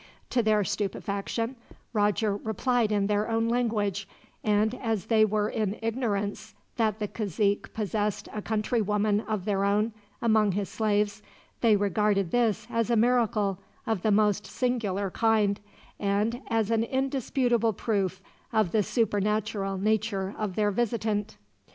To their stupefaction, Roger replied in their own language, and as they were in ignorance that the cazique possessed a countrywoman of their own, among his slaves, they regarded this as a miracle of the most singular kind, and as an indisputable proof of the supernatural nature of their visitant.